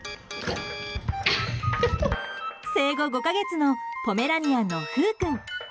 生後５か月のポメラニアンのふう君。